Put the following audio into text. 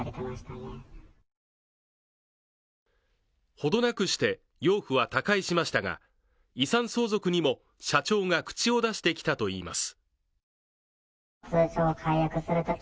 程なくして養父は他界しましたが遺産相続にも社長が口を出してきたといいます